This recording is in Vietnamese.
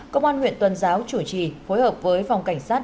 công an huyện tuần giáo chủ trì phối hợp với phòng cảnh sát